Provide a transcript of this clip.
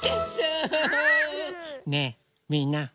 ねえみんな。